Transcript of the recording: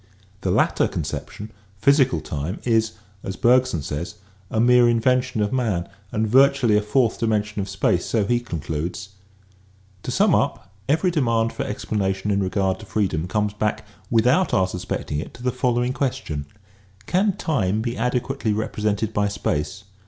The latter con ception, physical time, is, as Bergson says, a mere in vention of man and virtually a fourth dimension of space, so he concludes: To sum up; every demand for explanation in regard to freedom comes back, without our suspecting it, to the following question :" Can time be adequately represented by space